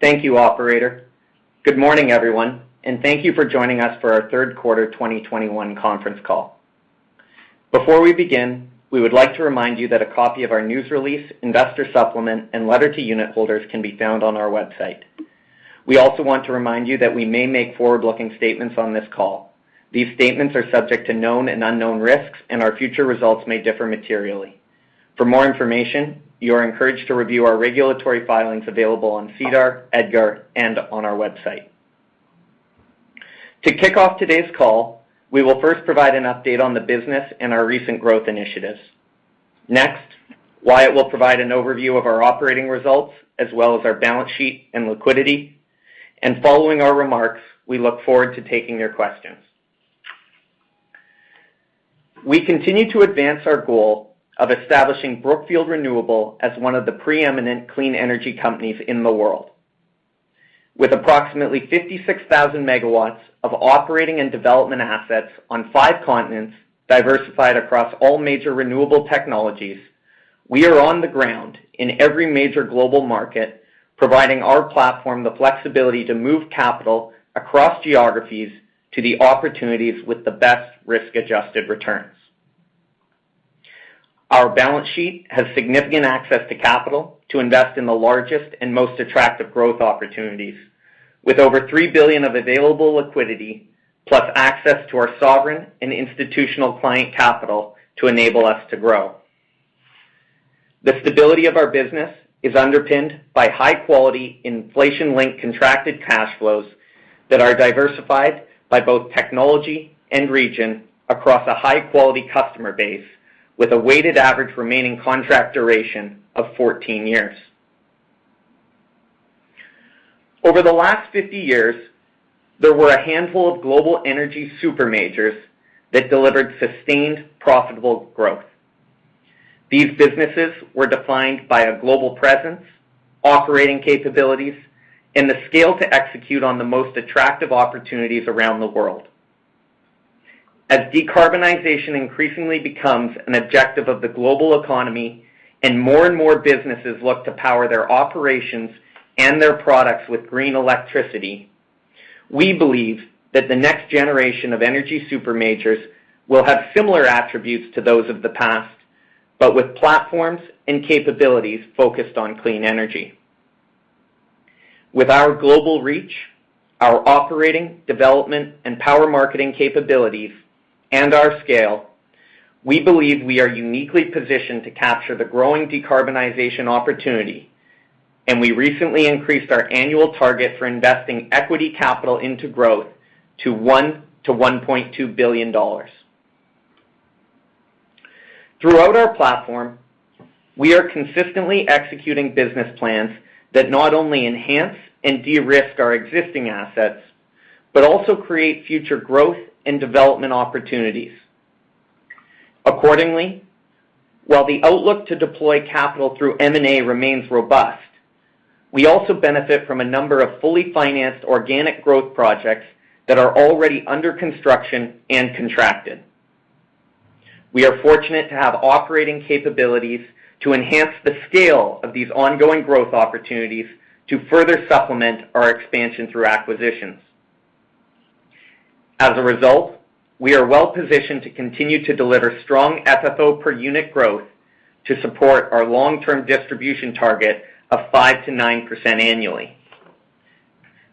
Thank you, operator. Good morning, everyone, and thank you for joining us for our third quarter 2021 conference call. Before we begin, we would like to remind you that a copy of our news release, investor supplement, and letter to unit holders can be found on our website. We also want to remind you that we may make forward-looking statements on this call. These statements are subject to known and unknown risks, and our future results may differ materially. For more information, you are encouraged to review our regulatory filings available on SEDAR, EDGAR, and on our website. To kick off today's call, we will first provide an update on the business and our recent growth initiatives. Next, Wyatt will provide an overview of our operating results, as well as our balance sheet and liquidity. Following our remarks, we look forward to taking your questions. We continue to advance our goal of establishing Brookfield Renewable as one of the preeminent clean energy companies in the world. With approximately 56,000 MW of operating and development assets on five continents, diversified across all major renewable technologies, we are on the ground in every major global market, providing our platform the flexibility to move capital across geographies to the opportunities with the best risk-adjusted returns. Our balance sheet has significant access to capital to invest in the largest and most attractive growth opportunities, with over $3 billion of available liquidity, plus access to our sovereign and institutional client capital to enable us to grow. The stability of our business is underpinned by high quality inflation-linked contracted cash flows that are diversified by both technology and region across a high-quality customer base, with a weighted average remaining contract duration of 14 years. Over the last 50 years, there were a handful of global energy super majors that delivered sustained, profitable growth. These businesses were defined by a global presence, operating capabilities, and the scale to execute on the most attractive opportunities around the world. As decarbonization increasingly becomes an objective of the global economy and more and more businesses look to power their operations and their products with green electricity, we believe that the next generation of energy super majors will have similar attributes to those of the past, but with platforms and capabilities focused on clean energy. With our global reach, our operating, development, and power marketing capabilities, and our scale, we believe we are uniquely positioned to capture the growing decarbonization opportunity, and we recently increased our annual target for investing equity capital into growth to $1 billion-$1.2 billion. Throughout our platform, we are consistently executing business plans that not only enhance and de-risk our existing assets, but also create future growth and development opportunities. Accordingly, while the outlook to deploy capital through M&A remains robust, we also benefit from a number of fully financed organic growth projects that are already under construction and contracted. We are fortunate to have operating capabilities to enhance the scale of these ongoing growth opportunities to further supplement our expansion through acquisitions. As a result, we are well-positioned to continue to deliver strong FFO per unit growth to support our long-term distribution target of 5%-9% annually.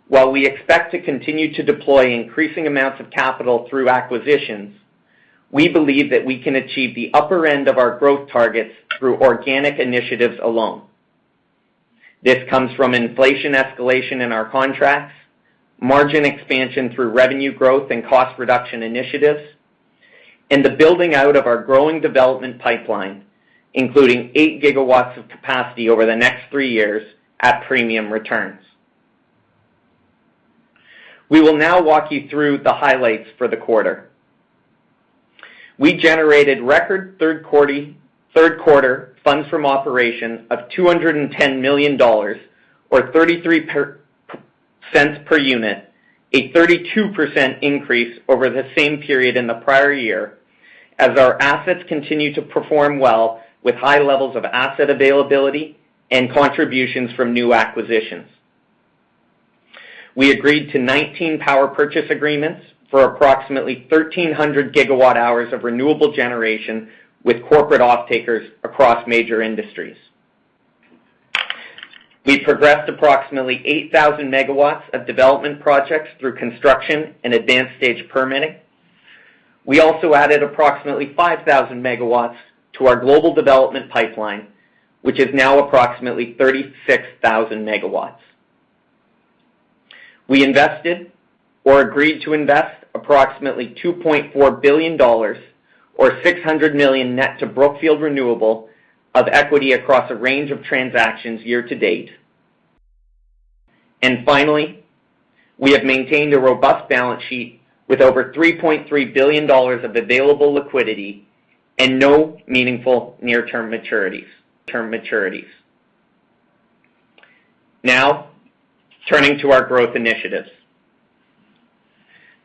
While we expect to continue to deploy increasing amounts of capital through acquisitions, we believe that we can achieve the upper end of our growth targets through organic initiatives alone. This comes from inflation escalation in our contracts, margin expansion through revenue growth and cost reduction initiatives, and the building out of our growing development pipeline, including 8 GW of capacity over the next three years at premium returns. We will now walk you through the highlights for the quarter. We generated record third quarter funds from operations of $210 million or $0.33 per unit, a 32% increase over the same period in the prior year, as our assets continue to perform well with high levels of asset availability and contributions from new acquisitions. We agreed to 19 power purchase agreements for approximately 1,300 GWh of renewable generation with corporate off-takers across major industries. We progressed approximately 8,000 MW of development projects through construction and advanced stage permitting. We also added approximately 5,000 MW to our global development pipeline, which is now approximately 36,000 MW. We invested or agreed to invest approximately $2.4 billion or $600 million net to Brookfield Renewable of equity across a range of transactions year to date. Finally, we have maintained a robust balance sheet with over $3.3 billion of available liquidity and no meaningful near-term maturities, term maturities. Now, turning to our growth initiatives.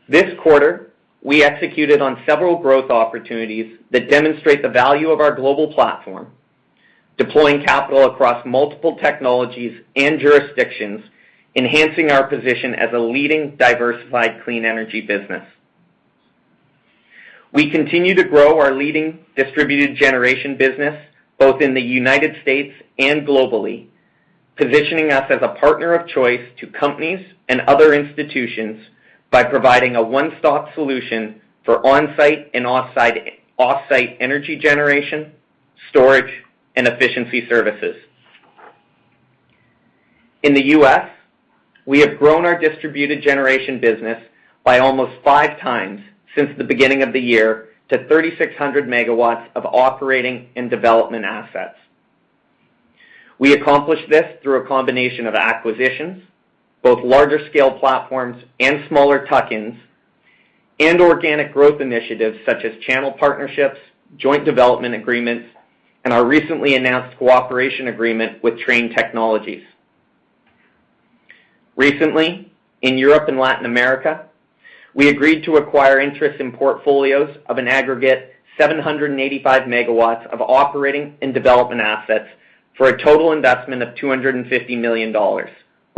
This quarter, we executed on several growth opportunities that demonstrate the value of our global platform, deploying capital across multiple technologies and jurisdictions, enhancing our position as a leading diversified clean energy business. We continue to grow our leading distributed generation business, both in the United States and globally, positioning us as a partner of choice to companies and other institutions by providing a one-stop solution for on-site and off-site energy generation, storage, and efficiency services. In the U.S., we have grown our distributed generation business by almost five times since the beginning of the year to 3,600 MW of operating and development assets. We accomplished this through a combination of acquisitions, both larger scale platforms and smaller tuck-ins, and organic growth initiatives such as channel partnerships, joint development agreements, and our recently announced cooperation agreement with Trane Technologies. Recently, in Europe and Latin America, we agreed to acquire interest in portfolios of an aggregate 785 MW of operating and development assets for a total investment of $250 million, or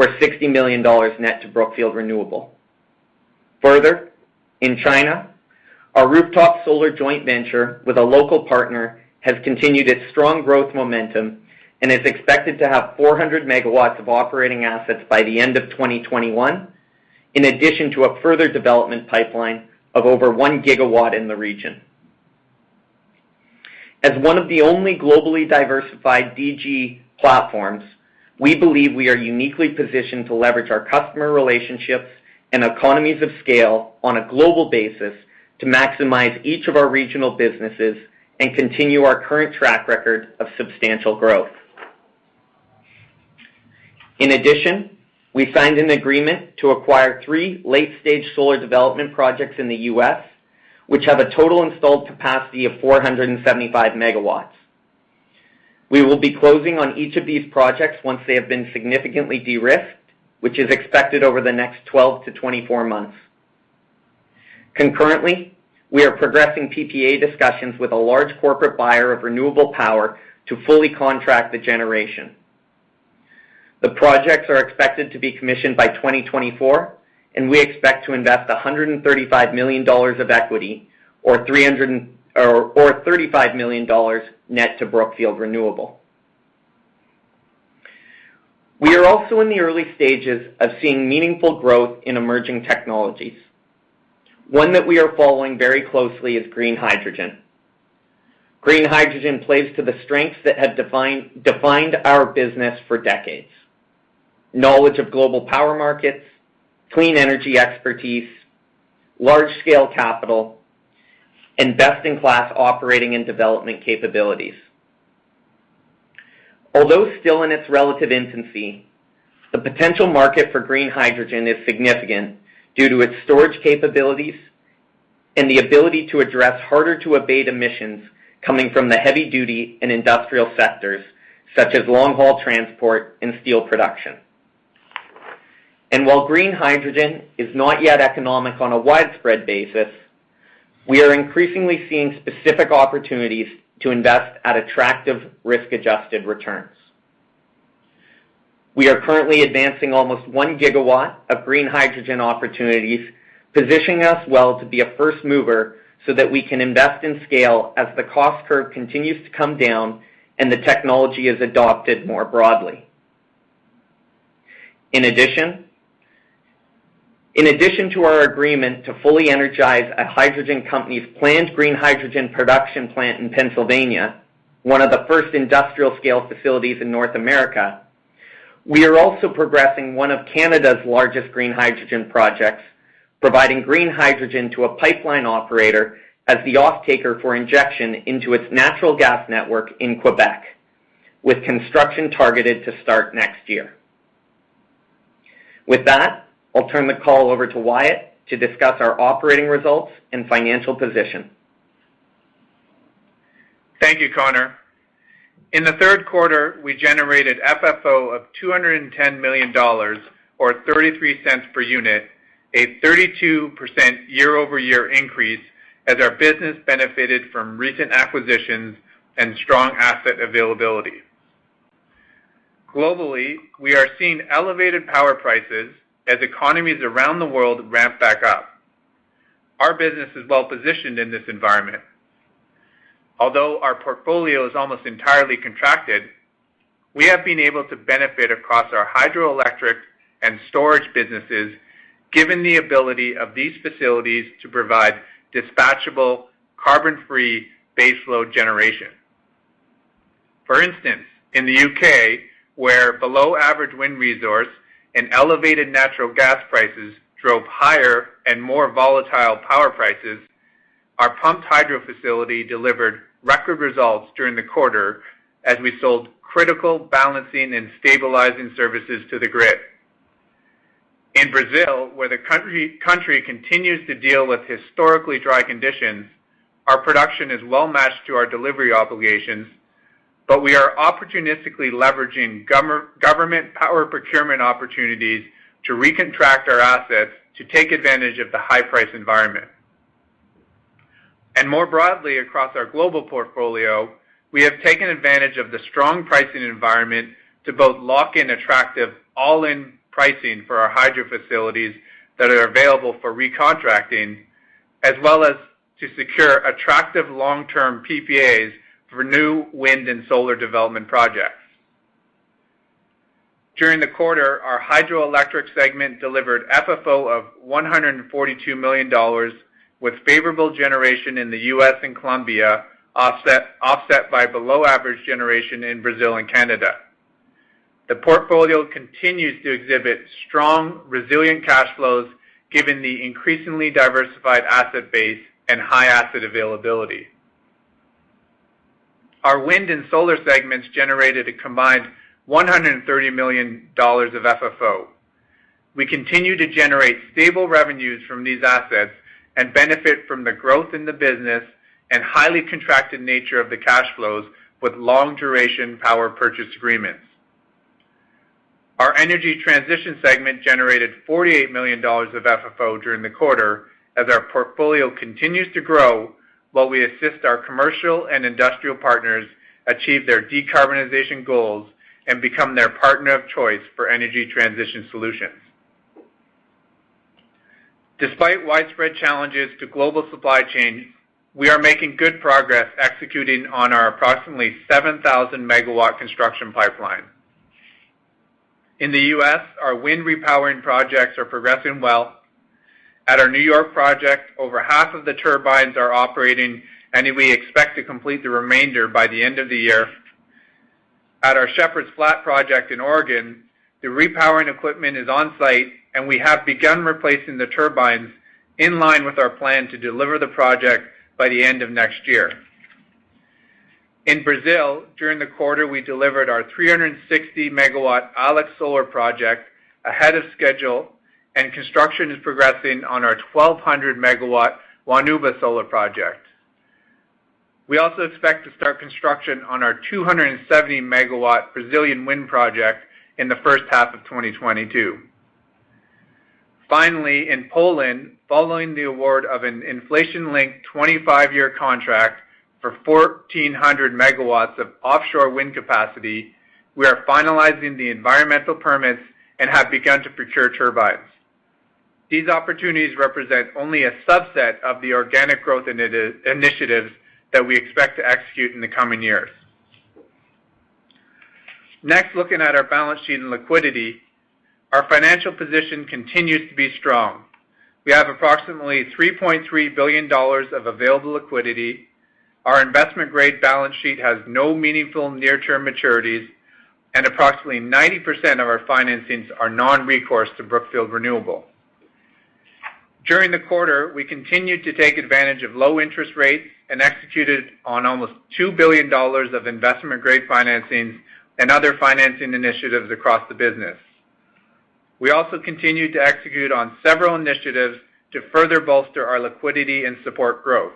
$60 million net to Brookfield Renewable. Further, in China, our rooftop solar joint venture with a local partner has continued its strong growth momentum and is expected to have 400 MW of operating assets by the end of 2021, in addition to a further development pipeline of over 1 GW in the region. As one of the only globally diversified DG platforms, we believe we are uniquely positioned to leverage our customer relationships and economies of scale on a global basis to maximize each of our regional businesses and continue our current track record of substantial growth. In addition, we signed an agreement to acquire three late-stage solar development projects in the U.S., which have a total installed capacity of 475 MW. We will be closing on each of these projects once they have been significantly de-risked, which is expected over the next 12-24 months. Concurrently, we are progressing PPA discussions with a large corporate buyer of renewable power to fully contract the generation. The projects are expected to be commissioned by 2024, and we expect to invest $135 million of equity or $335 million net to Brookfield Renewable. We are also in the early stages of seeing meaningful growth in emerging technologies. One that we are following very closely is green hydrogen. Green hydrogen plays to the strengths that have defined our business for decades. Knowledge of global power markets, clean energy expertise, large-scale capital, and best-in-class operating and development capabilities. Although still in its relative infancy, the potential market for green hydrogen is significant due to its storage capabilities and the ability to address harder-to-abate emissions coming from the heavy-duty and industrial sectors, such as long-haul transport and steel production. While green hydrogen is not yet economic on a widespread basis, we are increasingly seeing specific opportunities to invest at attractive risk-adjusted returns. We are currently advancing almost 1 GW of green hydrogen opportunities, positioning us well to be a first mover so that we can invest in scale as the cost curve continues to come down and the technology is adopted more broadly. In addition to our agreement to fully energize a hydrogen company's planned green hydrogen production plant in Pennsylvania, one of the first industrial-scale facilities in North America, we are also progressing one of Canada's largest green hydrogen projects, providing green hydrogen to a pipeline operator as the offtaker for injection into its natural gas network in Quebec, with construction targeted to start next year. With that, I'll turn the call over to Wyatt to discuss our operating results and financial position. Thank you, Connor. In the third quarter, we generated FFO of $210 million, or $0.33 per unit, a 32% year-over-year increase as our business benefited from recent acquisitions and strong asset availability. Globally, we are seeing elevated power prices as economies around the world ramp back up. Our business is well-positioned in this environment. Although our portfolio is almost entirely contracted, we have been able to benefit across our hydroelectric and storage businesses, given the ability of these facilities to provide dispatchable carbon-free baseload generation. For instance, in the U.K., where below-average wind resource and elevated natural gas prices drove higher and more volatile power prices, our pumped hydro facility delivered record results during the quarter as we sold critical balancing and stabilizing services to the grid. In Brazil, where the country continues to deal with historically dry conditions, our production is well matched to our delivery obligations. We are opportunistically leveraging government power procurement opportunities to recontract our assets to take advantage of the high-price environment. More broadly, across our global portfolio, we have taken advantage of the strong pricing environment to both lock in attractive all-in pricing for our hydro facilities that are available for recontracting, as well as to secure attractive long-term PPAs for new wind and solar development projects. During the quarter, our hydroelectric segment delivered FFO of $142 million with favorable generation in the U.S. and Colombia, offset by below-average generation in Brazil and Canada. The portfolio continues to exhibit strong, resilient cash flows given the increasingly diversified asset base and high asset availability. Our wind and solar segments generated a combined $130 million of FFO. We continue to generate stable revenues from these assets and benefit from the growth in the business and highly contracted nature of the cash flows with long-duration power purchase agreements. Our energy transition segment generated $48 million of FFO during the quarter as our portfolio continues to grow while we assist our commercial and industrial partners achieve their decarbonization goals and become their partner of choice for energy transition solutions. Despite widespread challenges to global supply chains, we are making good progress executing on our approximately 7,000 MW construction pipeline. In the U.S., our wind repowering projects are progressing well. At our New York project, over half of the turbines are operating, and we expect to complete the remainder by the end of the year. At our Shepherds Flat project in Oregon, the repowering equipment is on-site, and we have begun replacing the turbines in line with our plan to deliver the project by the end of next year. In Brazil, during the quarter, we delivered our 360 MW Alex Solar project ahead of schedule, and construction is progressing on our 1,200 MW Janaúba Solar project. We also expect to start construction on our 270 MW Brazilian wind project in the first half of 2022. Finally, in Poland, following the award of an inflation-linked 25-year contract for 1,400 MW of offshore wind capacity, we are finalizing the environmental permits and have begun to procure turbines. These opportunities represent only a subset of the organic growth initiatives that we expect to execute in the coming years. Next, looking at our balance sheet and liquidity, our financial position continues to be strong. We have approximately $3.3 billion of available liquidity. Our investment-grade balance sheet has no meaningful near-term maturities, and approximately 90% of our financings are non-recourse to Brookfield Renewable. During the quarter, we continued to take advantage of low interest rates and executed on almost $2 billion of investment-grade financing and other financing initiatives across the business. We also continued to execute on several initiatives to further bolster our liquidity and support growth.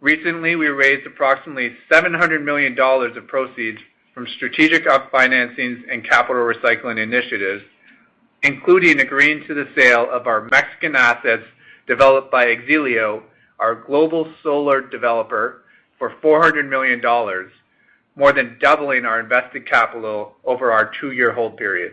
Recently, we raised approximately $700 million of proceeds from strategic upfinancings and capital recycling initiatives, including agreeing to the sale of our Mexican assets developed by X-ELIO, our global solar developer, for $400 million, more than doubling our invested capital over our two-year hold period.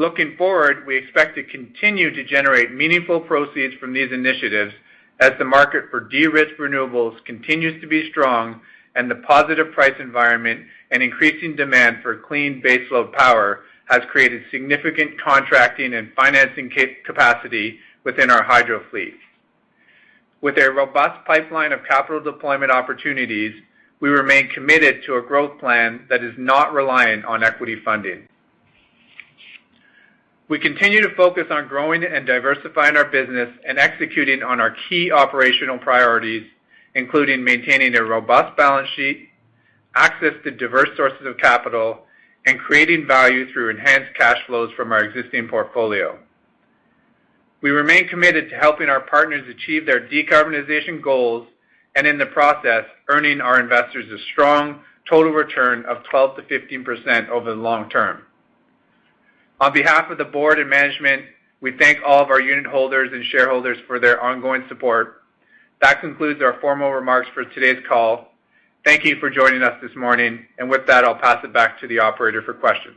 Looking forward, we expect to continue to generate meaningful proceeds from these initiatives as the market for de-risked renewables continues to be strong and the positive price environment and increasing demand for clean baseload power has created significant contracting and financing capacity within our hydro fleet. With a robust pipeline of capital deployment opportunities, we remain committed to a growth plan that is not reliant on equity funding. We continue to focus on growing and diversifying our business and executing on our key operational priorities, including maintaining a robust balance sheet, access to diverse sources of capital, and creating value through enhanced cash flows from our existing portfolio. We remain committed to helping our partners achieve their decarbonization goals and, in the process, earning our investors a strong total return of 12%-15% over the long term. On behalf of the board and management, we thank all of our unit holders and shareholders for their ongoing support. That concludes our formal remarks for today's call. Thank you for joining us this morning. With that, I'll pass it back to the operator for questions.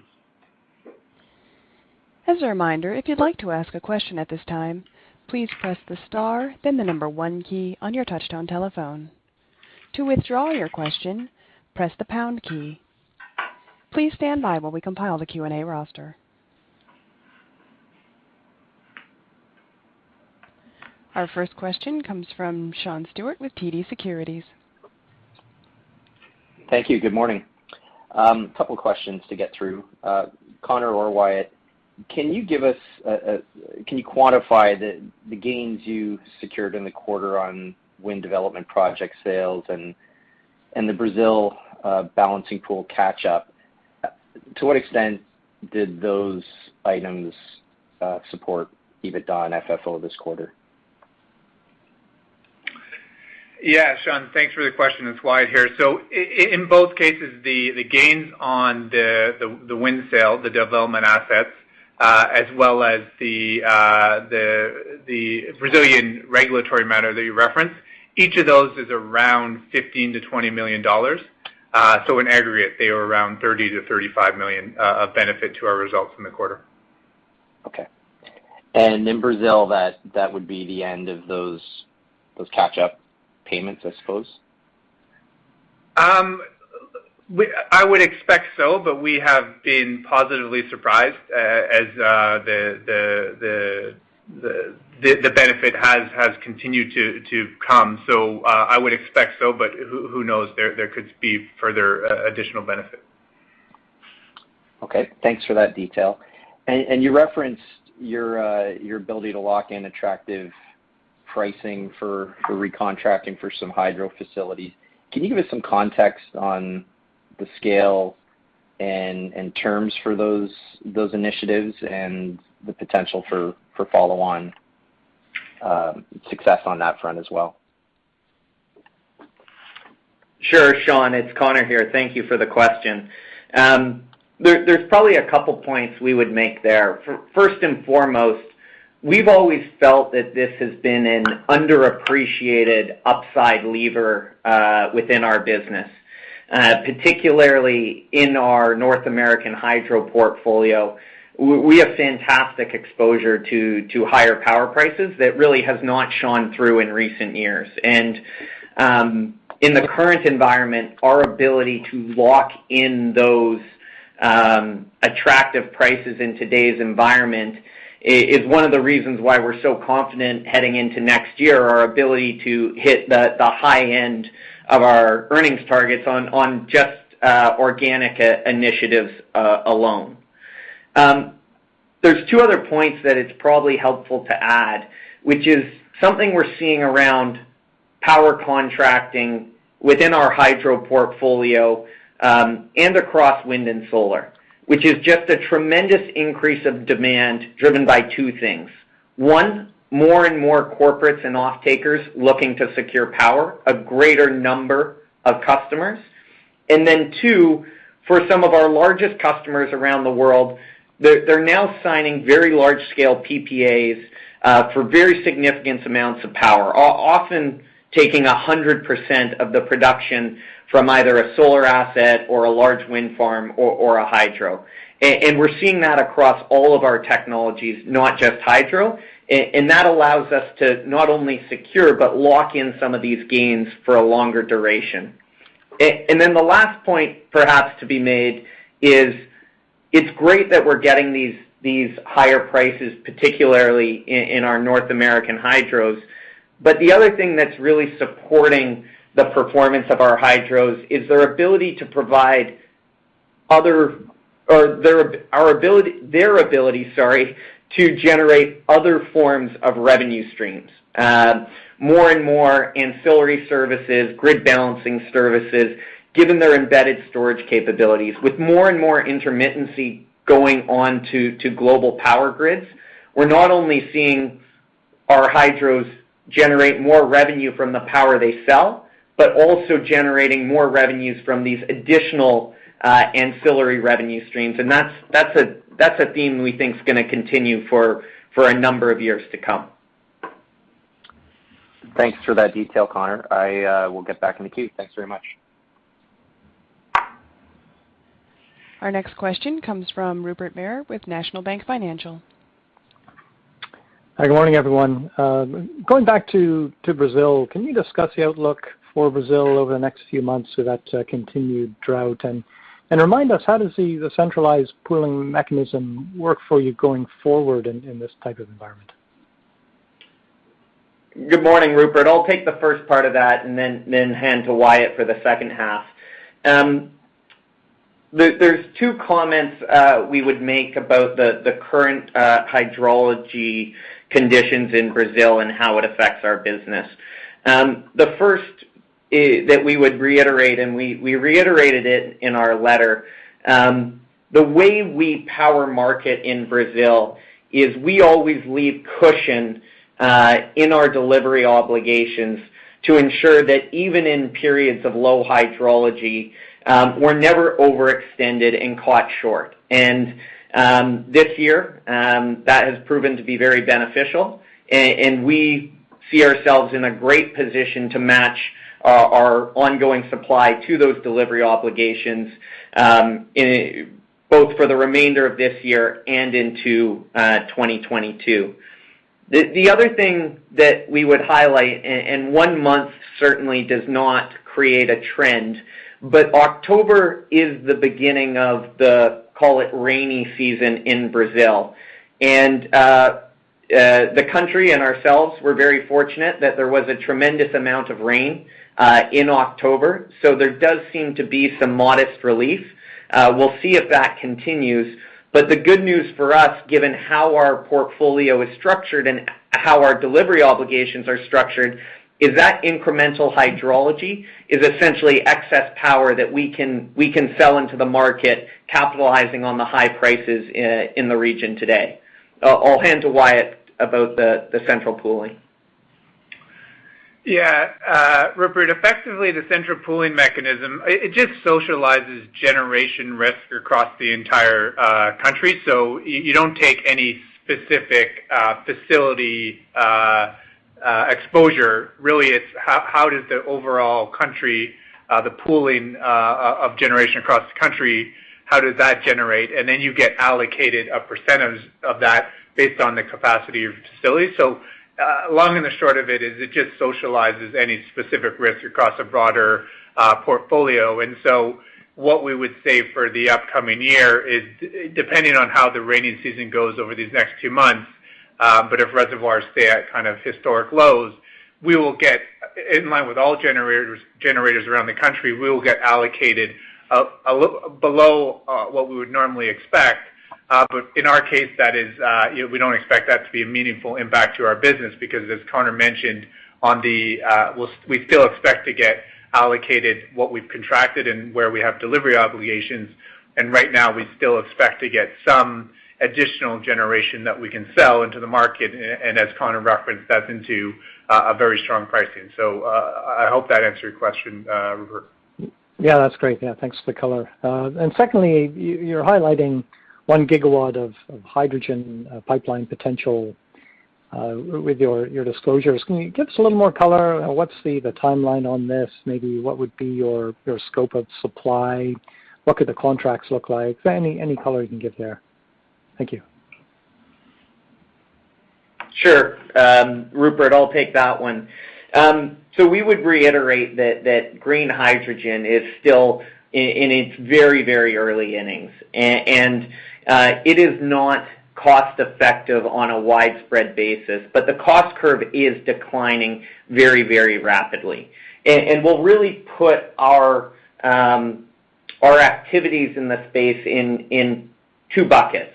As a reminder, if you'd like to ask a question at this time, please press the star, then the number one key on your touchtone telephone. To withdraw your question, press the pound key. Please stand by while we compile the Q&A roster. Our first question comes from Sean Steuart with TD Securities. Thank you. Good morning. A couple questions to get through. Connor or Wyatt, can you quantify the gains you secured in the quarter on wind development project sales and the Brazil balancing pool catch-up? To what extent did those items support EBITDA and FFO this quarter? Yeah, Sean, thanks for the question. It's Wyatt here. In both cases, the gains on the wind sale, the development assets, as well as the Brazilian regulatory matter that you referenced, each of those is around $15 million-$20 million. In aggregate, they are around $30 million-$35 million of benefit to our results in the quarter. Okay. In Brazil, that would be the end of those catch-up payments, I suppose? I would expect so, but we have been positively surprised as the benefit has continued to come. I would expect so, but who knows? There could be further additional benefit. Okay. Thanks for that detail. You referenced your ability to lock in attractive pricing for recontracting for some hydro facilities. Can you give us some context on the scale and terms for those initiatives and the potential for follow-on success on that front as well? Sure, Sean. It's Connor here. Thank you for the question. There's probably a couple points we would make there. First and foremost, we've always felt that this has been an underappreciated upside lever within our business. Particularly in our North American hydro portfolio, we have fantastic exposure to higher power prices that really has not shown through in recent years. In the current environment, our ability to lock in those attractive prices in today's environment is one of the reasons why we're so confident heading into next year, our ability to hit the high end of our earnings targets on just organic initiatives alone. There's two other points that it's probably helpful to add, which is something we're seeing around power contracting within our hydro portfolio, and across wind and solar, which is just a tremendous increase of demand driven by two things. One, more and more corporates and off-takers looking to secure power, a greater number of customers. Two, for some of our largest customers around the world, they're now signing very large-scale PPAs, for very significant amounts of power, often taking 100% of the production from either a solar asset or a large wind farm or a hydro. We're seeing that across all of our technologies, not just hydro. That allows us to not only secure, but lock in some of these gains for a longer duration. Then the last point perhaps to be made is it's great that we're getting these higher prices, particularly in our North American hydros. The other thing that's really supporting the performance of our hydros is their ability to generate other forms of revenue streams, more and more ancillary services, grid balancing services, given their embedded storage capabilities. With more and more intermittency going on to global power grids, we're not only seeing our hydros generate more revenue from the power they sell, but also generating more revenues from these additional ancillary revenue streams. That's a theme we think is gonna continue for a number of years to come. Thanks for that detail, Connor. I will get back in the queue. Thanks very much. Our next question comes from Rupert Merer with National Bank Financial. Hi, good morning, everyone. Going back to Brazil, can you discuss the outlook for Brazil over the next few months in light of the continued drought? Remind us, how does the centralized pooling mechanism work for you going forward in this type of environment? Good morning, Rupert. I'll take the first part of that and then hand to Wyatt for the second half. There's two comments we would make about the current hydrology conditions in Brazil and how it affects our business. The first that we would reiterate, and we reiterated it in our letter, the way our power market in Brazil is we always leave cushion in our delivery obligations to ensure that even in periods of low hydrology, we're never overextended and caught short. This year that has proven to be very beneficial. We see ourselves in a great position to match our ongoing supply to those delivery obligations, both for the remainder of this year and into 2022. The other thing that we would highlight, and one month certainly does not create a trend, but October is the beginning of the, call it, rainy season in Brazil. The country and ourselves were very fortunate that there was a tremendous amount of rain in October. There does seem to be some modest relief. We'll see if that continues. The good news for us, given how our portfolio is structured and how our delivery obligations are structured, is that incremental hydrology is essentially excess power that we can sell into the market capitalizing on the high prices in the region today. I'll hand to Wyatt about the central pooling. Rupert, effectively, the central pooling mechanism, it just socializes generation risk across the entire country. You don't take any specific facility exposure. Really, it's how does the overall country the pooling of generation across the country how does that generate? Then you get allocated a percentage of that based on the capacity of your facility. Long and the short of it is, it just socializes any specific risk across a broader portfolio. What we would say for the upcoming year is, depending on how the rainy season goes over these next two months, but if reservoirs stay at kind of historic lows, we will get in line with all generators around the country. We will get allocated below what we would normally expect. In our case, you know, we don't expect that to be a meaningful impact to our business because as Connor mentioned, we still expect to get allocated what we've contracted and where we have delivery obligations. Right now, we still expect to get some additional generation that we can sell into the market, and as Connor referenced, that's into a very strong pricing. I hope that answered your question, Rupert. Yeah, that's great. Yeah, thanks for the color. Secondly, you're highlighting 1 GW of hydrogen pipeline potential with your disclosures. Can you give us a little more color? What's the timeline on this? Maybe what would be your scope of supply? What could the contracts look like? Any color you can give there. Thank you. Sure. Rupert, I'll take that one. So we would reiterate that green hydrogen is still in its very early innings, and it is not cost-effective on a widespread basis. The cost curve is declining very rapidly. We'll really put our activities in the space in two buckets.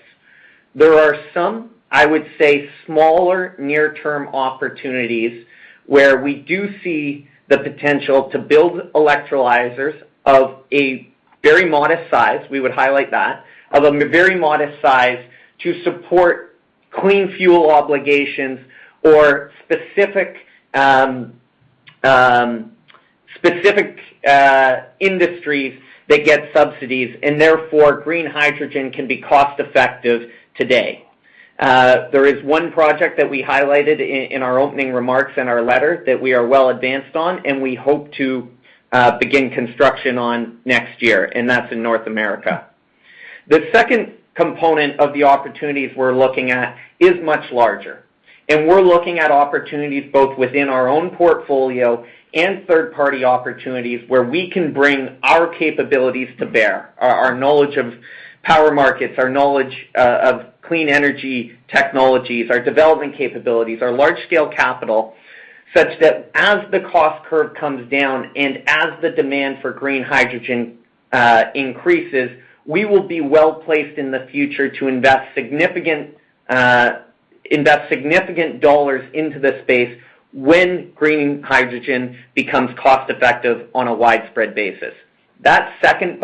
There are some, I would say, smaller near-term opportunities where we do see the potential to build electrolyzers of a very modest size to support clean fuel obligations or specific industries that get subsidies, and therefore green hydrogen can be cost-effective today. There is one project that we highlighted in our opening remarks and our letter that we are well advanced on, and we hope to begin construction on next year, and that's in North America. The second component of the opportunities we're looking at is much larger, and we're looking at opportunities both within our own portfolio and third-party opportunities where we can bring our capabilities to bear. Our knowledge of power markets, our knowledge of clean energy technologies, our development capabilities, our large-scale capital, such that as the cost curve comes down and as the demand for green hydrogen increases, we will be well-placed in the future to invest significant dollars into the space when green hydrogen becomes cost-effective on a widespread basis. That second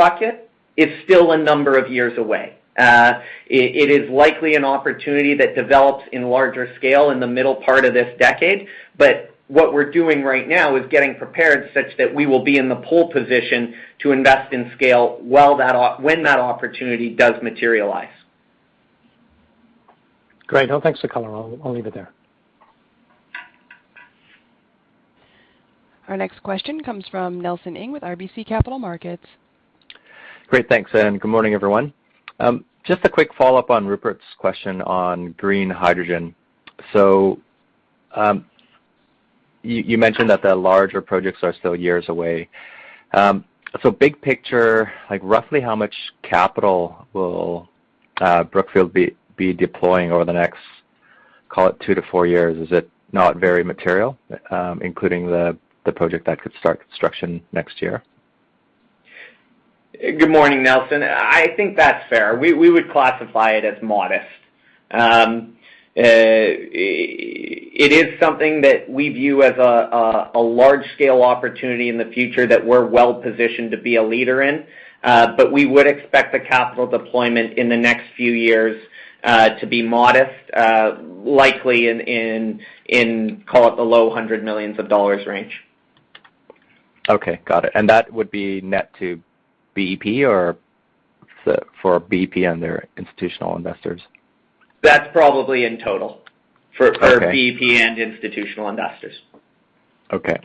bucket is still a number of years away. It is likely an opportunity that develops in larger scale in the middle part of this decade. What we're doing right now is getting prepared such that we will be in the pole position to invest in scale when that opportunity does materialize. Great. No, thanks for the color. I'll leave it there. Our next question comes from Nelson Ng with RBC Capital Markets. Great. Thanks, and good morning, everyone. Just a quick follow-up on Rupert's question on green hydrogen. You mentioned that the larger projects are still years away. Big picture, like, roughly how much capital will Brookfield be deploying over the next, call it, two to four years? Is it not very material, including the project that could start construction next year? Good morning, Nelson. I think that's fair. We would classify it as modest. It is something that we view as a large-scale opportunity in the future that we're well-positioned to be a leader in. We would expect the capital deployment in the next few years to be modest, likely in, call it, the low hundreds of millions of dollars range. Okay. Got it. That would be net to BEP or for BEP and their institutional investors? That's probably in total. Okay. For BEP and institutional investors. Okay.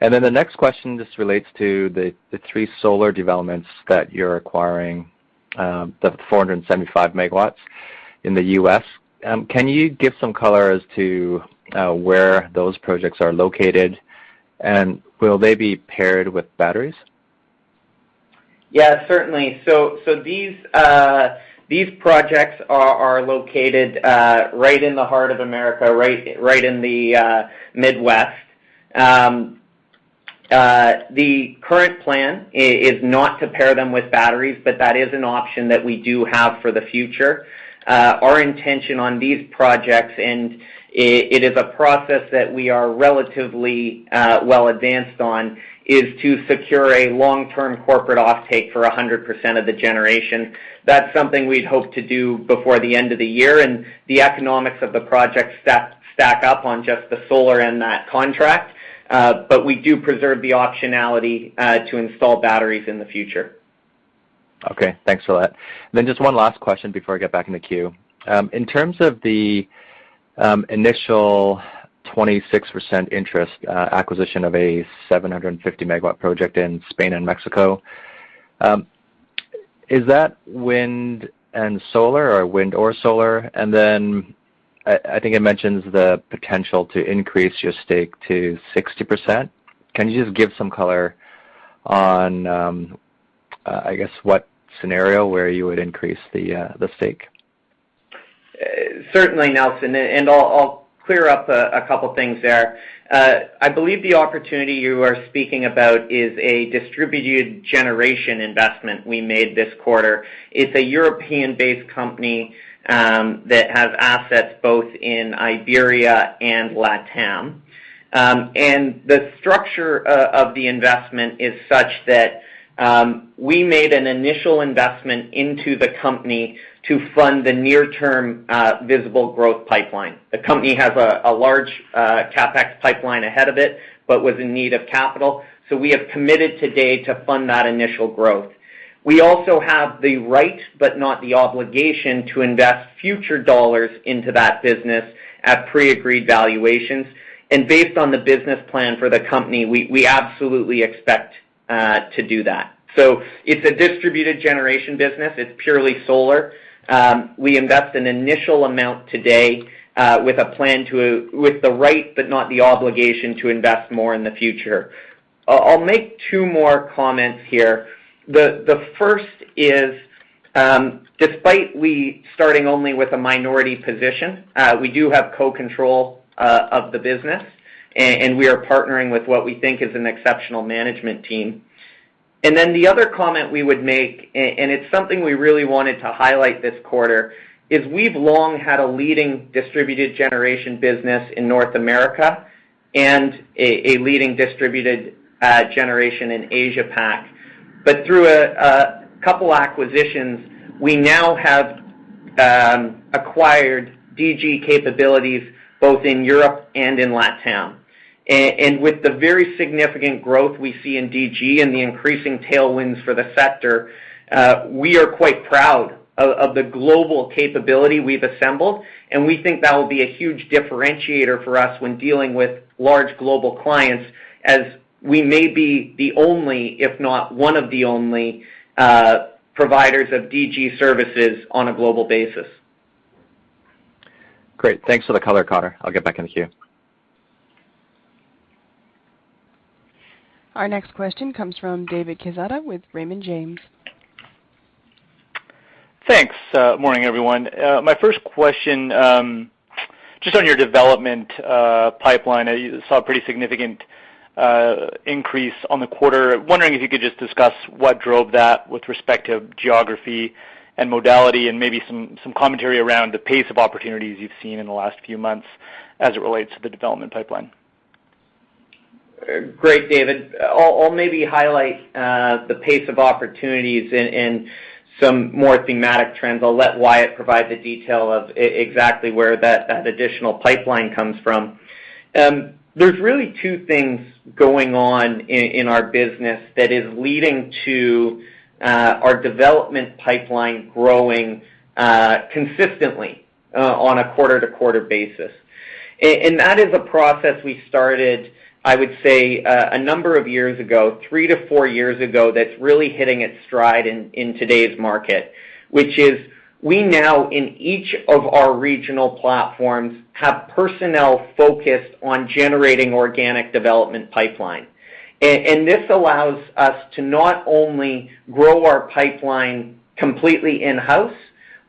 The next question just relates to the three solar developments that you're acquiring, the 475 MW in the U.S. Can you give some color as to where those projects are located, and will they be paired with batteries? Yeah, certainly. These projects are located right in the heart of America, right in the Midwest. The current plan is not to pair them with batteries, but that is an option that we do have for the future. Our intention on these projects, and it is a process that we are relatively well advanced on, is to secure a long-term corporate offtake for 100% of the generation. That's something we'd hope to do before the end of the year, and the economics of the project stack up on just the solar and that contract. We do preserve the optionality to install batteries in the future. Okay. Thanks for that. Just one last question before I get back in the queue. In terms of the initial 26% interest acquisition of a 750 MW project in Spain and Mexico, is that wind and solar or wind or solar? I think it mentions the potential to increase your stake to 60%. Can you just give some color on I guess what scenario where you would increase the stake? Certainly, Nelson. I'll clear up a couple things there. I believe the opportunity you are speaking about is a distributed generation investment we made this quarter. It's a European-based company that has assets both in Iberia and LATAM. The structure of the investment is such that we made an initial investment into the company to fund the near-term visible growth pipeline. The company has a large CapEx pipeline ahead of it, but was in need of capital, so we have committed today to fund that initial growth. We also have the right, but not the obligation, to invest future dollars into that business at pre-agreed valuations. Based on the business plan for the company, we absolutely expect to do that. It's a distributed generation business. It's purely solar. We invest an initial amount today, with the right, but not the obligation, to invest more in the future. I'll make two more comments here. The first is, despite we starting only with a minority position, we do have co-control of the business, and we are partnering with what we think is an exceptional management team. Then the other comment we would make, and it's something we really wanted to highlight this quarter, is we've long had a leading distributed generation business in North America and a leading distributed generation in Asia PAC. Through a couple acquisitions, we now have acquired DG capabilities both in Europe and in LATAM. With the very significant growth we see in DG and the increasing tailwinds for the sector, we are quite proud of the global capability we've assembled, and we think that will be a huge differentiator for us when dealing with large global clients as we may be the only, if not one of the only, providers of DG services on a global basis. Great. Thanks for the color, Connor. I'll get back in the queue. Our next question comes from David Quezada with Raymond James. Thanks. Morning, everyone. My first question, just on your development pipeline. I saw a pretty significant increase on the quarter. Wondering if you could just discuss what drove that with respect to geography and modality, and maybe some commentary around the pace of opportunities you've seen in the last few months as it relates to the development pipeline. Great, David. I'll maybe highlight the pace of opportunities in some more thematic trends. I'll let Wyatt provide the detail of exactly where that additional pipeline comes from. There's really two things going on in our business that is leading to our development pipeline growing consistently on a quarter-to-quarter basis. That is a process we started, I would say, a number of years ago, three to four years ago, that's really hitting its stride in today's market, which is we now, in each of our regional platforms, have personnel focused on generating organic development pipeline. This allows us to not only grow our pipeline completely in-house,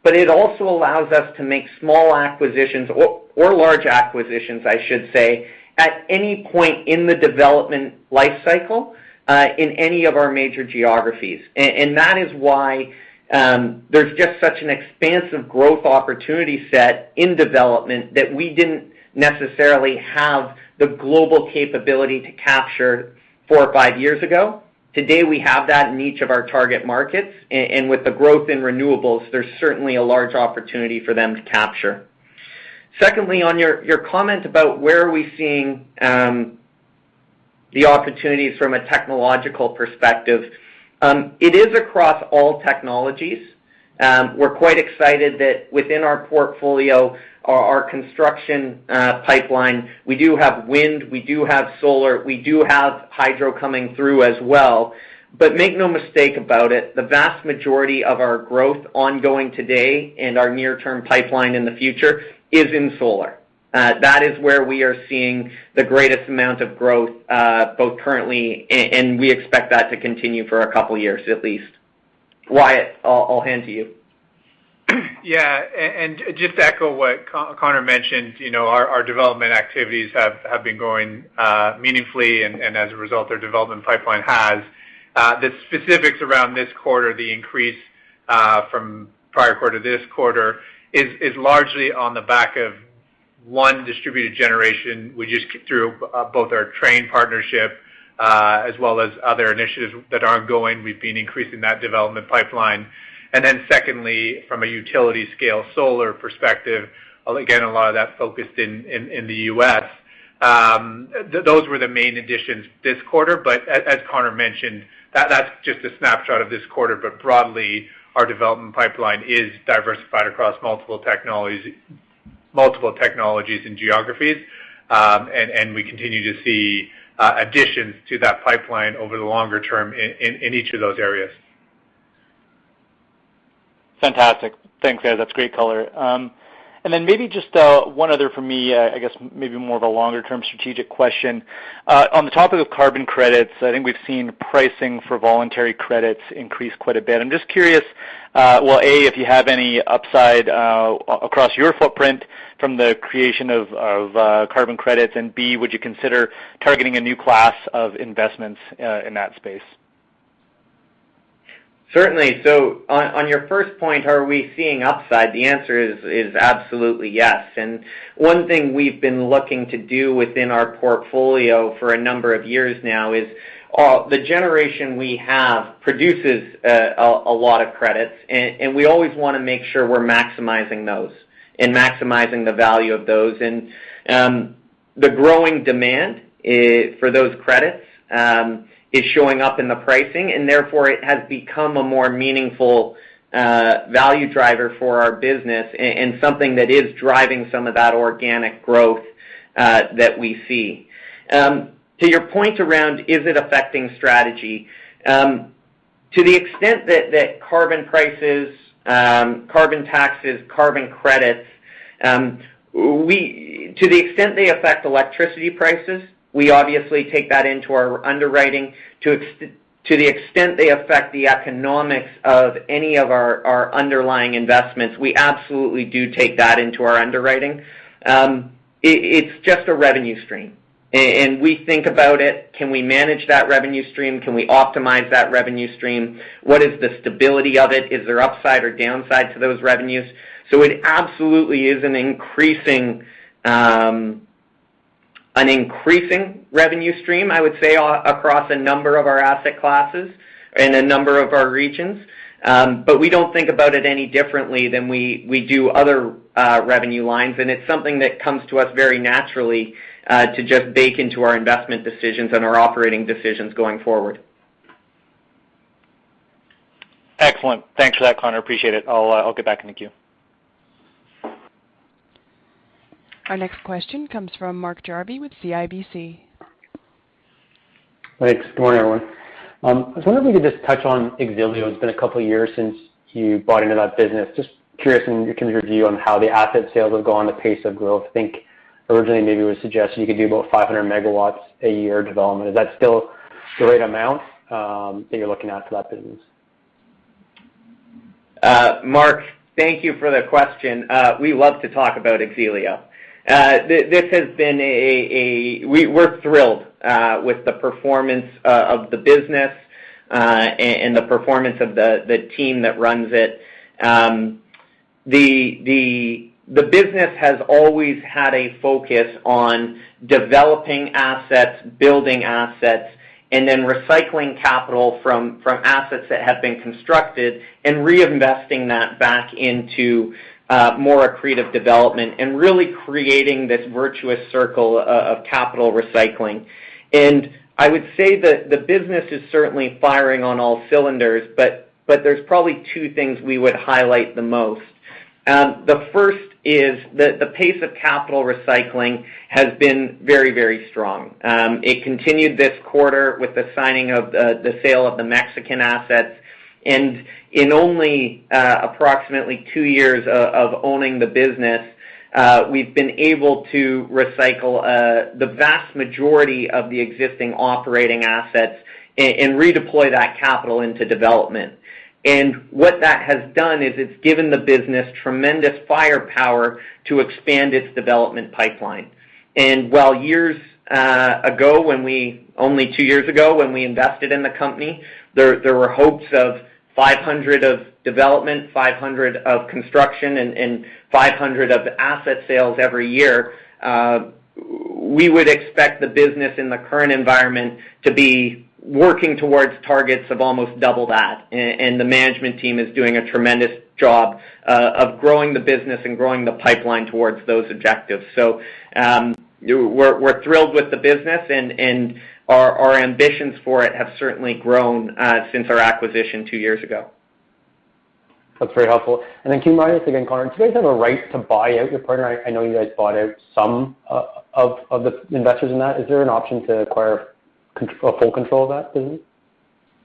but it also allows us to make small acquisitions or large acquisitions, I should say, at any point in the development life cycle in any of our major geographies. That is why, there's just such an expansive growth opportunity set in development that we didn't necessarily have the global capability to capture four or five years ago. Today, we have that in each of our target markets. With the growth in renewables, there's certainly a large opportunity for them to capture. Secondly, on your comment about where are we seeing, the opportunities from a technological perspective, it is across all technologies. We're quite excited that within our portfolio, our construction pipeline, we do have wind, we do have solar, we do have hydro coming through as well. Make no mistake about it, the vast majority of our growth ongoing today and our near-term pipeline in the future is in solar. That is where we are seeing the greatest amount of growth, both currently, and we expect that to continue for a couple years at least. Wyatt, I'll hand to you. Yeah. Just to echo what Connor mentioned, you know, our development activities have been growing meaningfully, and as a result, their development pipeline has. The specifics around this quarter, the increase from prior quarter to this quarter is largely on the back of one distributed generation. We just through both our Trane partnership as well as other initiatives that are ongoing. We've been increasing that development pipeline. Then secondly, from a utility scale solar perspective, again, a lot of that focused in the U.S. Those were the main additions this quarter, but as Connor mentioned, that's just a snapshot of this quarter. Broadly, our development pipeline is diversified across multiple technologies and geographies. We continue to see additions to that pipeline over the longer term in each of those areas. Fantastic. Thanks, Wyatt. That's great color. Maybe just one other for me. I guess maybe more of a longer-term strategic question. On the topic of carbon credits, I think we've seen pricing for voluntary credits increase quite a bit. I'm just curious, well, A, if you have any upside across your footprint from the creation of carbon credits, and B, would you consider targeting a new class of investments in that space? Certainly. On your first point, are we seeing upside? The answer is absolutely yes. One thing we've been looking to do within our portfolio for a number of years now is the generation we have produces a lot of credits. We always wanna make sure we're maximizing those and maximizing the value of those. The growing demand for those credits is showing up in the pricing, and therefore, it has become a more meaningful value driver for our business and something that is driving some of that organic growth that we see. To your point around, is it affecting strategy? To the extent that carbon prices, carbon taxes, carbon credits, to the extent they affect electricity prices, we obviously take that into our underwriting. To the extent they affect the economics of any of our underlying investments, we absolutely do take that into our underwriting. It's just a revenue stream. And we think about it, can we manage that revenue stream? Can we optimize that revenue stream? What is the stability of it? Is there upside or downside to those revenues? It absolutely is an increasing revenue stream, I would say, across a number of our asset classes and a number of our regions. We don't think about it any differently than we do other revenue lines, and it's something that comes to us very naturally to just bake into our investment decisions and our operating decisions going forward. Excellent. Thanks for that, Connor. I appreciate it. I'll get back in the queue. Our next question comes from Mark Jarvi with CIBC. Thanks. Good morning, everyone. I was wondering if you could just touch on X-ELIO. It's been a couple of years since you bought into that business. Just curious, can you review on how the asset sales have gone, the pace of growth? I think originally maybe it was suggested you could do about 500 MW a year development. Is that still the right amount that you're looking at for that business? Mark, thank you for the question. We love to talk about X-ELIO. We're thrilled with the performance of the business and the performance of the team that runs it. The business has always had a focus on developing assets, building assets, and then recycling capital from assets that have been constructed and reinvesting that back into more accretive development and really creating this virtuous circle of capital recycling. I would say that the business is certainly firing on all cylinders, but there's probably two things we would highlight the most. The first is that the pace of capital recycling has been very strong. It continued this quarter with the signing of the sale of the Mexican assets. In only approximately two years of owning the business, we've been able to recycle the vast majority of the existing operating assets and redeploy that capital into development. What that has done is it's given the business tremendous firepower to expand its development pipeline. While years ago, only two years ago, when we invested in the company, there were hopes of 500 of development, 500 of construction, and 500 of asset sales every year. We would expect the business in the current environment to be working towards targets of almost double that. And the management team is doing a tremendous job of growing the business and growing the pipeline towards those objectives. We're thrilled with the business and our ambitions for it have certainly grown since our acquisition two years ago. That's very helpful. Then can you remind us again, Connor, do you guys have a right to buy out your partner? I know you guys bought out some of the investors in that. Is there an option to acquire or full control of that business?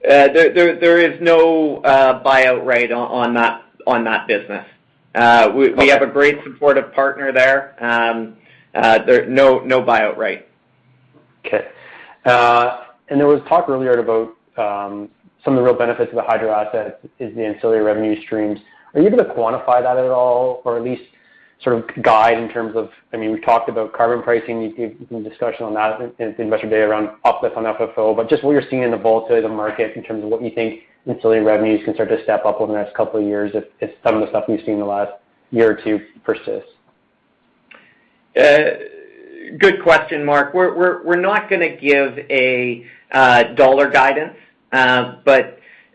There is no buyout right on that business. We have a great supportive partner there. No buyout right. Okay. There was talk earlier about some of the real benefits of the hydro asset is the ancillary revenue streams. Are you able to quantify that at all, or at least sort of guide in terms of I mean, we've talked about carbon pricing. You gave a discussion on that in the Investor Day around uplifts on FFO, but just what you're seeing in the volatility of the market in terms of what you think ancillary revenues can start to step up over the next couple of years if some of the stuff we've seen in the last year or two persists. Good question, Mark. We're not gonna give a dollar guidance.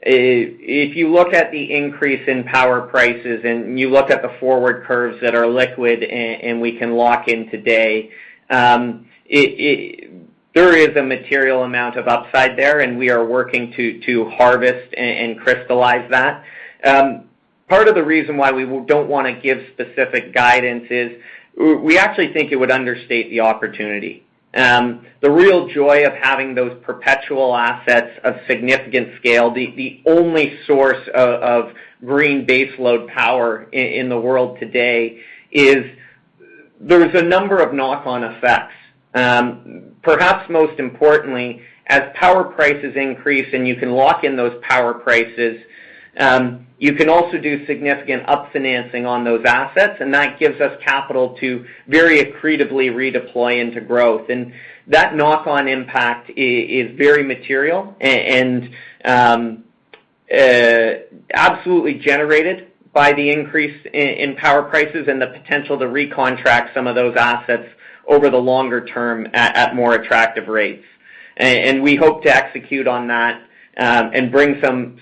If you look at the increase in power prices and you look at the forward curves that are liquid and we can lock in today, it. There is a material amount of upside there, and we are working to harvest and crystallize that. Part of the reason why we don't wanna give specific guidance is we actually think it would understate the opportunity. The real joy of having those perpetual assets of significant scale, the only source of green baseload power in the world today, is there's a number of knock-on effects. Perhaps most importantly, as power prices increase and you can lock in those power prices, you can also do significant up financing on those assets, and that gives us capital to very accretively redeploy into growth. That knock-on impact is very material and absolutely generated by the increase in power prices and the potential to recontract some of those assets over the longer term at more attractive rates. We hope to execute on that and bring some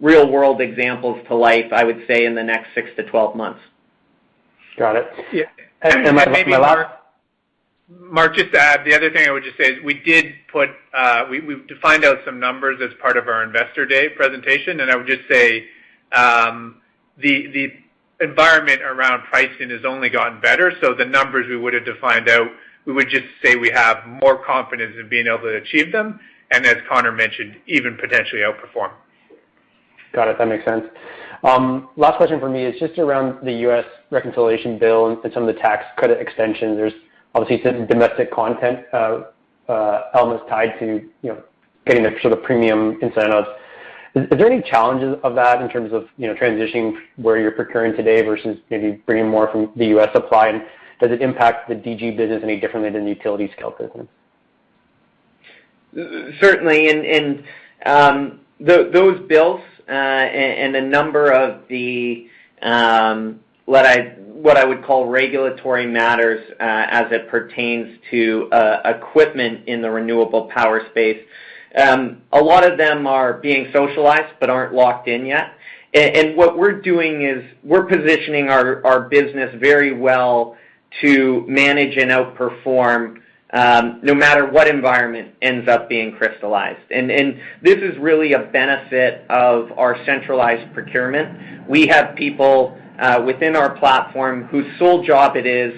real-world examples to life, I would say, in the next six to 12 months. Got it. Yeah. Maybe Am I allowed- Mark, just to add, the other thing I would just say is we did put. We defined out some numbers as part of our Investor Day presentation, and I would just say, the environment around pricing has only gotten better. The numbers we would've defined out, we would just say we have more confidence in being able to achieve them, and as Connor mentioned, even potentially outperform. Got it. That makes sense. Last question from me is just around the U.S. reconciliation bill and some of the tax credit extensions. There's obviously some domestic content elements tied to, you know, getting the sort of premium incentives. Is there any challenges of that in terms of, you know, transitioning where you're procuring today versus maybe bringing more from the U.S. supply? And does it impact the DG business any differently than the utility scale business? Certainly. Those bills and a number of the what I would call regulatory matters as it pertains to equipment in the renewable power space, a lot of them are being socialized but aren't locked in yet. What we're doing is we're positioning our business very well to manage and outperform no matter what environment ends up being crystallized. This is really a benefit of our centralized procurement. We have people within our platform whose sole job it is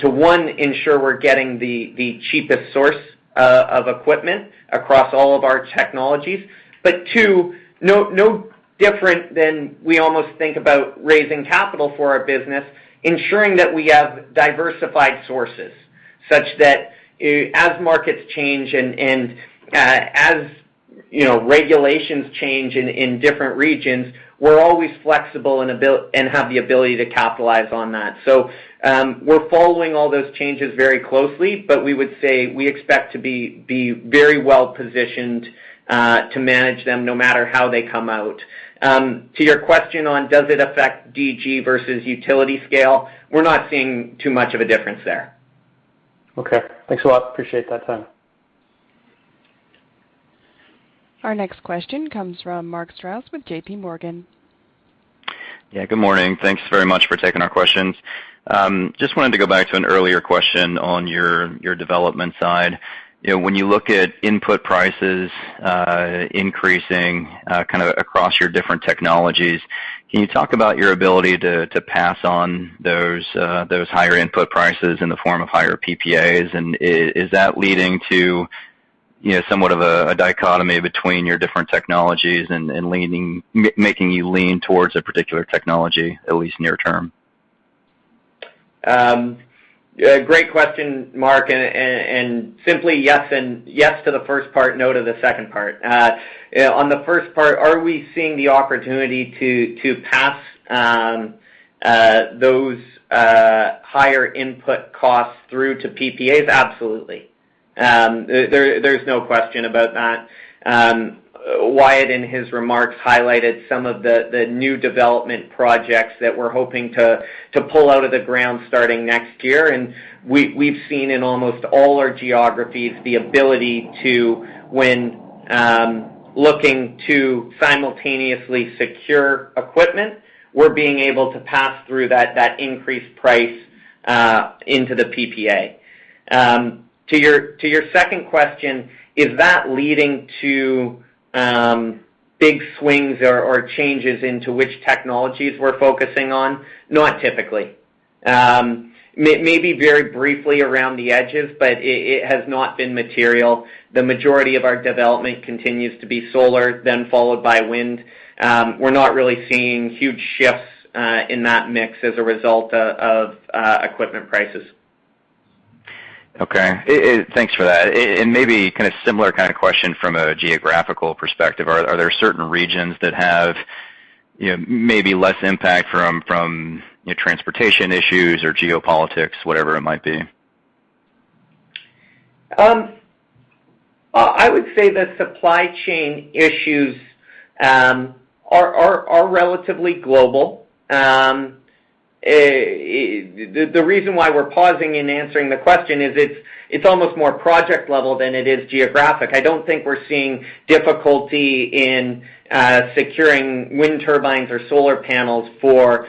to one, ensure we're getting the cheapest source of equipment across all of our technologies. Two, no different than we almost think about raising capital for our business, ensuring that we have diversified sources, such that as markets change and as you know regulations change in different regions, we're always flexible and have the ability to capitalize on that. We're following all those changes very closely, but we would say we expect to be very well-positioned to manage them no matter how they come out. To your question on does it affect DG versus utility scale, we're not seeing too much of a difference there. Okay. Thanks a lot. Appreciate that time. Our next question comes from Mark Strouse with JPMorgan. Yeah, good morning. Thanks very much for taking our questions. Just wanted to go back to an earlier question on your development side. You know, when you look at input prices increasing kind of across your different technologies, can you talk about your ability to pass on those higher input prices in the form of higher PPAs? Is that leading to, you know, somewhat of a dichotomy between your different technologies and leaning making you lean towards a particular technology, at least near term? Yeah, great question, Mark, and simply yes. Yes to the first part, no to the second part. On the first part, are we seeing the opportunity to pass those higher input costs through to PPAs? Absolutely. There's no question about that. Wyatt, in his remarks, highlighted some of the new development projects that we're hoping to pull out of the ground starting next year. We've seen in almost all our geographies the ability to, when looking to simultaneously secure equipment, we're being able to pass through that increased price into the PPA. To your second question, is that leading to big swings or changes into which technologies we're focusing on? Not typically. Maybe very briefly around the edges, but it has not been material. The majority of our development continues to be solar, then followed by wind. We're not really seeing huge shifts in that mix as a result of equipment prices. Okay. Thanks for that. Maybe kind of similar kind of question from a geographical perspective. Are there certain regions that have, you know, maybe less impact from you know, transportation issues or geopolitics, whatever it might be? I would say that supply chain issues are relatively global. The reason why we're pausing in answering the question is it's almost more project level than it is geographic. I don't think we're seeing difficulty in securing wind turbines or solar panels for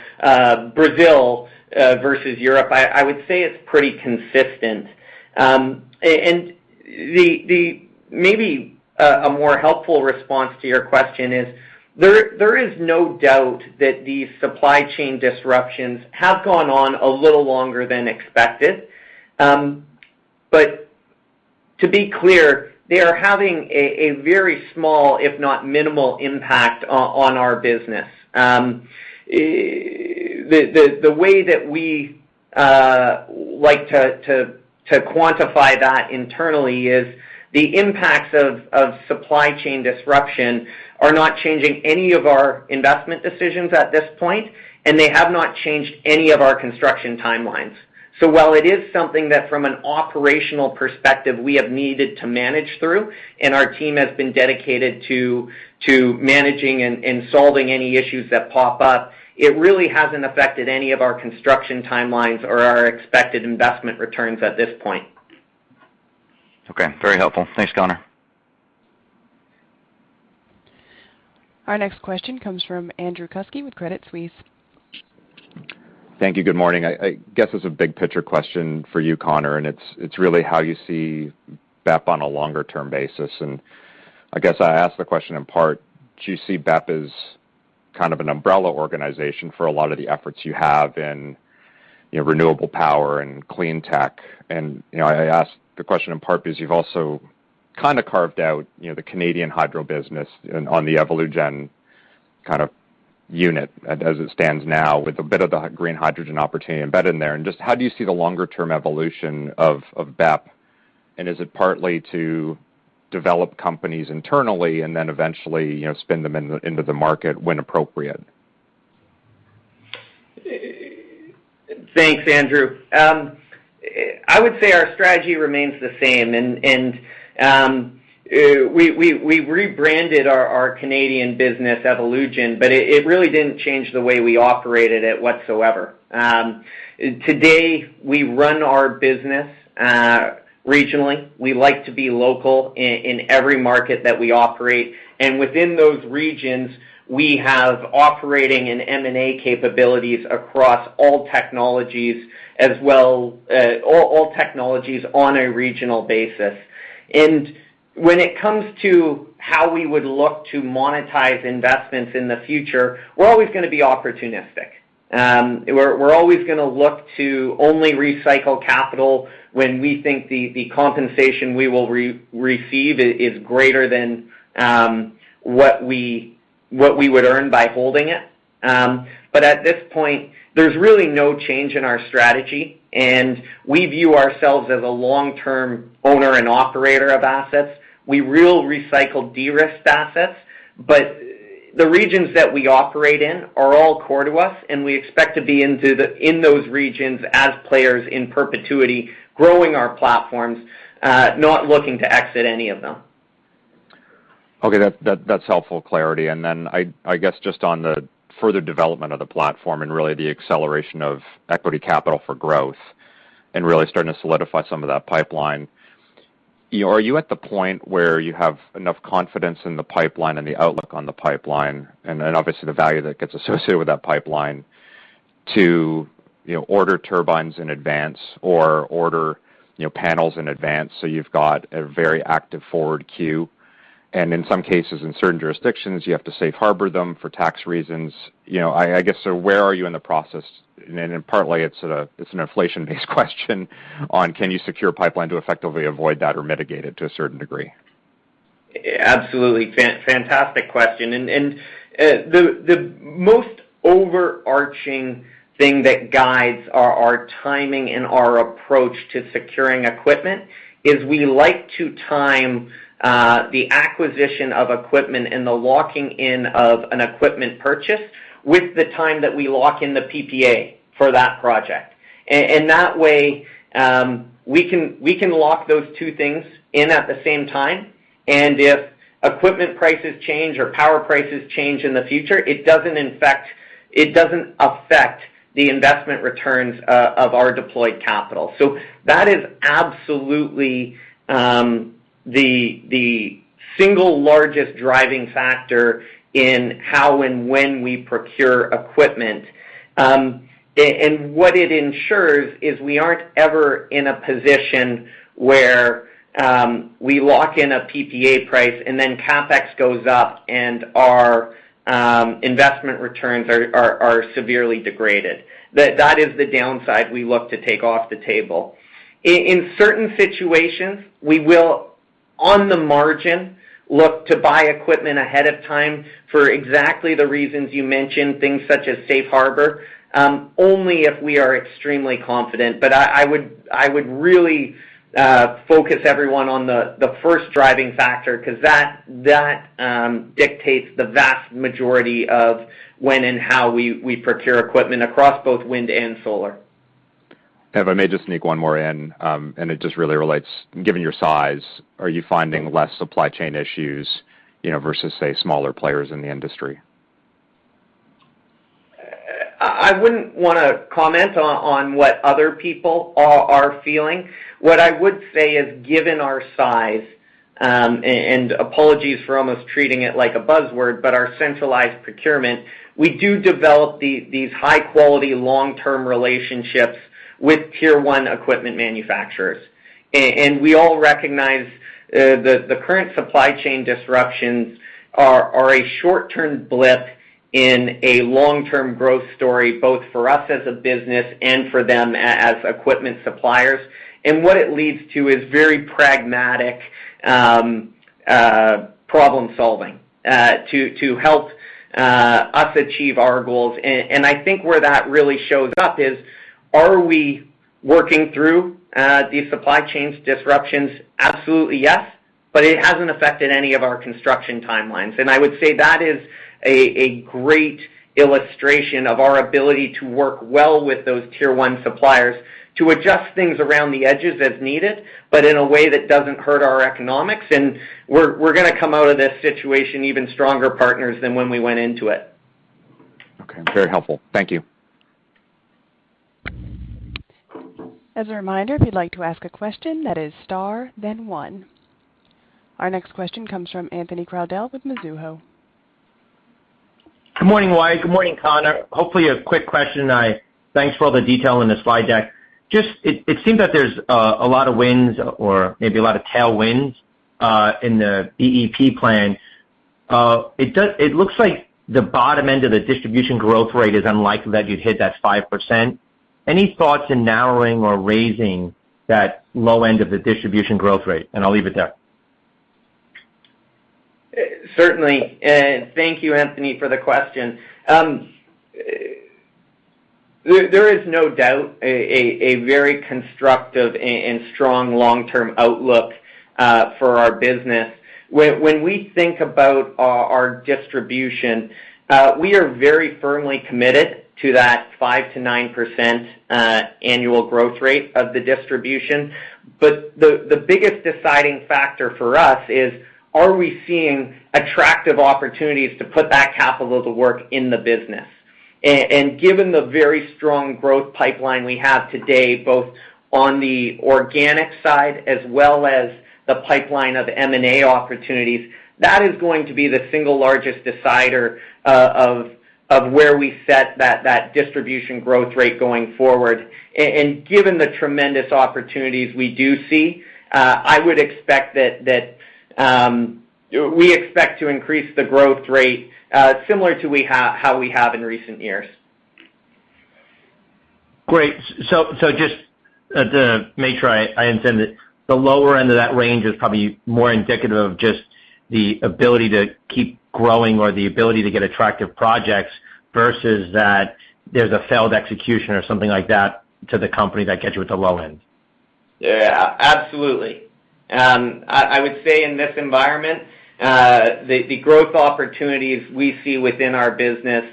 Brazil versus Europe. I would say it's pretty consistent. Maybe a more helpful response to your question is there is no doubt that these supply chain disruptions have gone on a little longer than expected. To be clear, they are having a very small, if not minimal impact on our business. The way that we like to quantify that internally is the impacts of supply chain disruption are not changing any of our investment decisions at this point, and they have not changed any of our construction timelines. While it is something that from an operational perspective we have needed to manage through, and our team has been dedicated to managing and solving any issues that pop up, it really hasn't affected any of our construction timelines or our expected investment returns at this point. Okay. Very helpful. Thanks, Connor. Our next question comes from Andrew Kuske with Credit Suisse. Thank you. Good morning. I guess it's a big picture question for you, Connor, and it's really how you see BEP on a longer term basis. I guess I ask the question in part, do you see BEP as kind of an umbrella organization for a lot of the efforts you have in, you know, renewable power and clean tech? You know, I ask the question in part because you've also kind of carved out, you know, the Canadian hydro business on the Evolugen kind of unit as it stands now with a bit of the green hydrogen opportunity embedded in there. Just how do you see the longer term evolution of BEP, and is it partly to develop companies internally and then eventually, you know, spin them into the market when appropriate? Thanks, Andrew. I would say our strategy remains the same. We rebranded our Canadian business Evolugen, but it really didn't change the way we operated it whatsoever. Today, we run our business regionally. We like to be local in every market that we operate. Within those regions, we have operating and M&A capabilities across all technologies as well, all technologies on a regional basis. When it comes to how we would look to monetize investments in the future, we're always gonna be opportunistic. We're always gonna look to only recycle capital when we think the compensation we will receive is greater than what we would earn by holding it. At this point, there's really no change in our strategy, and we view ourselves as a long-term owner and operator of assets. We will recycle de-risked assets, but the regions that we operate in are all core to us, and we expect to be in those regions as players in perpetuity, growing our platforms, not looking to exit any of them. Okay. That's helpful clarity. I guess just on the further development of the platform and really the acceleration of equity capital for growth and really starting to solidify some of that pipeline, are you at the point where you have enough confidence in the pipeline and the outlook on the pipeline and then, obviously, the value that gets associated with that pipeline to, you know, order turbines in advance or order, you know, panels in advance, so you've got a very active forward queue? In some cases, in certain jurisdictions, you have to safe harbor them for tax reasons. You know, I guess so where are you in the process? Partly it's an inflation-based question on can you secure pipeline to effectively avoid that or mitigate it to a certain degree? Absolutely. Fantastic question. The most overarching thing that guides our timing and our approach to securing equipment is we like to time the acquisition of equipment and the locking in of an equipment purchase with the time that we lock in the PPA for that project. That way, we can lock those two things in at the same time, and if equipment prices change or power prices change in the future, it doesn't affect the investment returns of our deployed capital. That is absolutely the single largest driving factor in how and when we procure equipment. What it ensures is we aren't ever in a position where we lock in a PPA price and then CapEx goes up and our investment returns are severely degraded. That is the downside we look to take off the table. In certain situations, we will on the margin look to buy equipment ahead of time for exactly the reasons you mentioned, things such as safe harbor, only if we are extremely confident. I would really focus everyone on the first driving factor, 'cause that dictates the vast majority of when and how we procure equipment across both wind and solar. If I may just sneak one more in, and it just really relates, given your size, are you finding less supply chain issues, you know, versus, say, smaller players in the industry? I wouldn't wanna comment on what other people are feeling. What I would say is, given our size, and apologies for almost treating it like a buzzword, but our centralized procurement, we do develop these high-quality, long-term relationships with tier one equipment manufacturers. We all recognize the current supply chain disruptions are a short-term blip in a long-term growth story, both for us as a business and for them as equipment suppliers. What it leads to is very pragmatic problem-solving to help us achieve our goals. I think where that really shows up is are we working through these supply chain disruptions? Absolutely, yes. It hasn't affected any of our construction timelines. I would say that is a great illustration of our ability to work well with those tier one suppliers to adjust things around the edges as needed, but in a way that doesn't hurt our economics. We're gonna come out of this situation even stronger partners than when we went into it. Okay. Very helpful. Thank you. As a reminder, if you'd like to ask a question, that is star, then one. Our next question comes from Anthony Crowdell with Mizuho. Good morning, Wyatt. Good morning, Connor. Hopefully a quick question. Thanks for all the detail in the slide deck. Just, it seemed that there's a lot of winds or maybe a lot of tailwinds in the BEP plan. It looks like the bottom end of the distribution growth rate is unlikely that you'd hit that 5%. Any thoughts on narrowing or raising that low end of the distribution growth rate? I'll leave it there. Certainly. Thank you, Anthony, for the question. There is no doubt a very constructive and strong long-term outlook for our business. When we think about our distribution, we are very firmly committed to that 5%-9% annual growth rate of the distribution. The biggest deciding factor for us is, are we seeing attractive opportunities to put that capital to work in the business? Given the very strong growth pipeline we have today, both on the organic side as well as the pipeline of M&A opportunities, that is going to be the single largest decider of where we set that distribution growth rate going forward. Given the tremendous opportunities we do see, I would expect that. We expect to increase the growth rate, similar to how we have in recent years. Great. Just to make sure I understand it, the lower end of that range is probably more indicative of just the ability to keep growing or the ability to get attractive projects versus that there's a failed execution or something like that to the company that gets you at the low end. Yeah. Absolutely. I would say in this environment, the growth opportunities we see within our business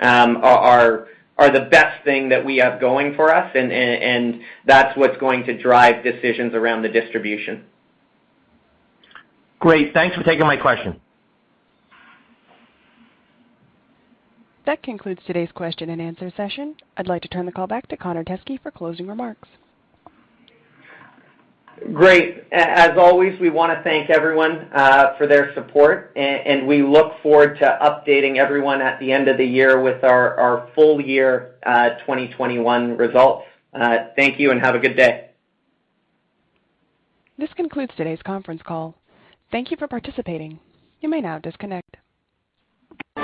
are the best thing that we have going for us, and that's what's going to drive decisions around the distribution. Great. Thanks for taking my question. That concludes today's question and answer session. I'd like to turn the call back to Connor Teskey for closing remarks. Great. As always, we wanna thank everyone for their support, and we look forward to updating everyone at the end of the year with our full year 2021 results. Thank you and have a good day. This concludes today's conference call. Thank you for participating. You may now disconnect.